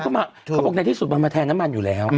เขาบอกในที่สุดมันมาแทนน้ำมันอยู่แล้ว